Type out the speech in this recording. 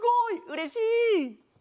うれしい。